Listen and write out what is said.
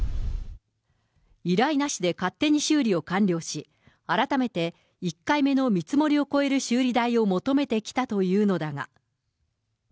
依頼なしで勝手に修理を完了し、改めて、１回目の見積もりを超える修理代を求めてきたというのだが。